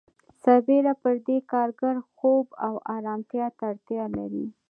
سربېره پر دې کارګر خوب او آرامتیا ته اړتیا لري